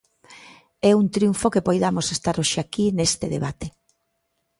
É un triunfo que poidamos estar hoxe aquí neste debate.